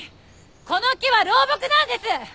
この木は老木なんです！